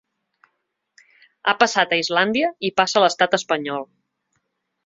Ha passat a Islàndia i passa a l’estat espanyol.